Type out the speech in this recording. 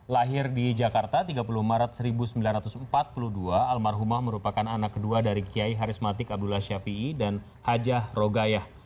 lahir di jakarta tiga puluh maret seribu sembilan ratus empat puluh dua almarhumah merupakan anak kedua dari kiai harismatik abdullah ⁇ syafii ⁇ dan hajah rogayah